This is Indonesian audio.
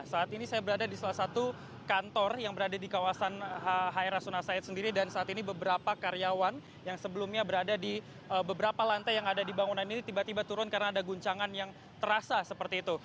saat ini saya berada di salah satu kantor yang berada di kawasan hr rasuna said sendiri dan saat ini beberapa karyawan yang sebelumnya berada di beberapa lantai yang ada di bangunan ini tiba tiba turun karena ada guncangan yang terasa seperti itu